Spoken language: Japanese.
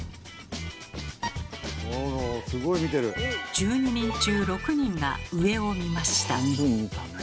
１２人中６人が上を見ました。